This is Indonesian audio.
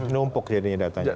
numpuk ya ini datanya